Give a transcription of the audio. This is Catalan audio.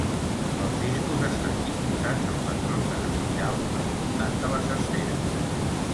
Els discos estan disposats en patrons en espiral al voltant de les esferes.